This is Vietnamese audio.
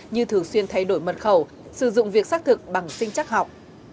như thường xuyên thay đổi mật khẩu sử dụng việc xác thực bằng sinh chắc học